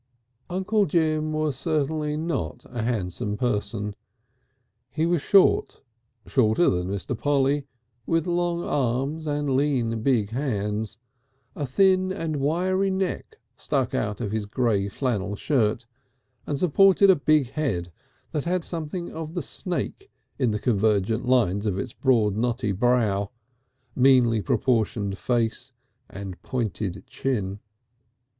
Uncle Jim was certainly not a handsome person. He was short, shorter than Mr. Polly, with long arms and lean big hands, a thin and wiry neck stuck out of his grey flannel shirt and supported a big head that had something of the snake in the convergent lines of its broad knotty brow, meanly proportioned face and pointed chin.